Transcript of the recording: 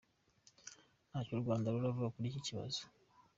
Ntacyo u Rwanda ruravuga kuri icyo kibazo.